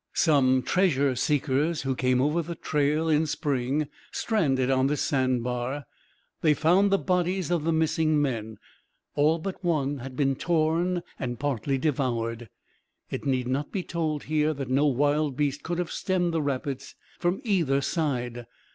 Some treasure seekers who came over the trail in spring stranded on this sand bar. They found the bodies of the missing men. All but one had been torn and partly devoured. It need not be told here that no wild beast could have stemmed the rapids from either side.